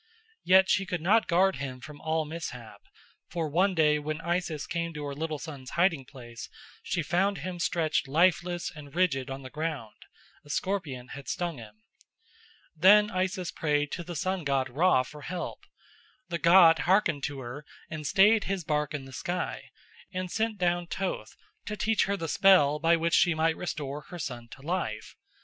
Yet she could not guard him from all mishap; for one day when Isis came to her little son's hiding place she found him stretched lifeless and rigid on the ground: a scorpion had stung him. Then Isis prayed to the sun god Ra for help. The god hearkened to her and staid his bark in the sky, and sent down Thoth to teach her the spell by which she might restore her son to life.